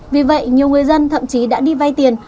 vì vậy nhiều người dân thậm chí đã đi vay tiền